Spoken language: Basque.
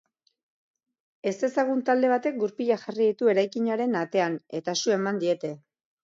Ezezagun talde batek gurpilak jarri ditu eraikinaren atean, eta su eman diete.